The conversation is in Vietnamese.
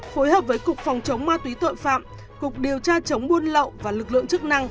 phối hợp với cục phòng chống ma túy tội phạm cục điều tra chống buôn lậu và lực lượng chức năng